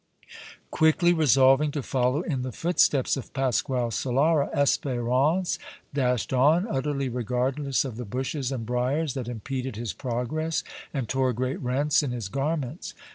Quickly resolving to follow in the footsteps of Pasquale Solara, Espérance dashed on, utterly regardless of the bushes and briars that impeded his progress and tore great rents in his garments.